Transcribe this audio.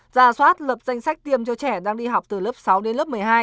ra soát lập danh sách tiêm cho trẻ đang đi học từ lớp sáu đến lớp một mươi hai